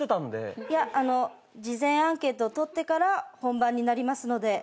いやあの事前アンケートをとってから本番になりますので。